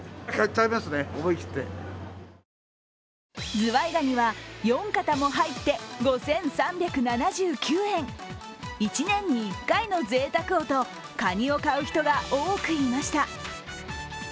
ズワイガニは４肩も入って５３７９円１年に１回のぜいたくをとかにを買う人が多くいました。